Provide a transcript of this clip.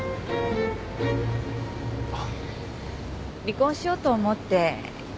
離婚しようと思って。